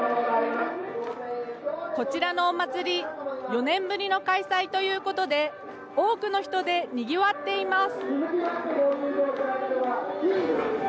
こちらのお祭り４年ぶりの開催ということで多くの人でにぎわっています。